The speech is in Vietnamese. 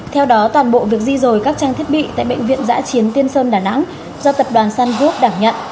theo đó toàn bộ việc di dồi các trang thiết bị tại bệnh viện giã chiến tiên sơn đà nẵng do tập đoàn san vước đảm nhận